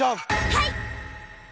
はい！